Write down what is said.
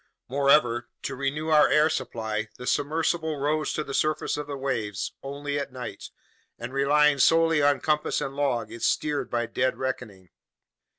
Moreover, to renew our air supply, the submersible rose to the surface of the waves only at night, and relying solely on compass and log, it steered by dead reckoning.